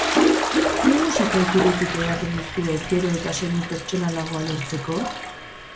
Zein musika-iturritik edaten duzue gero eta soinu pertsonalagoa lortzeko?